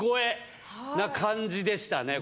な感じでしたね